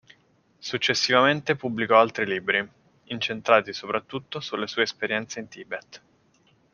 Successivamente pubblicò altri libri, incentrati soprattutto sulle sue esperienze in Tibet.